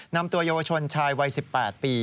นำตัวเยาวชนชายวัย๑๘ปี